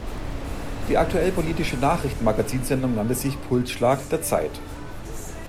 Die aktuell-politische Nachrichten-Magazinsendung nannte sich „Pulsschlag der Zeit“.